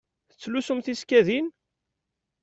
Tettlusum tisekkadin?